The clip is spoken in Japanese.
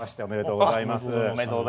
おめでとうございます。